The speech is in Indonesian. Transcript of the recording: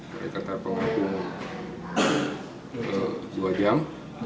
mereka terpengaruh dua jam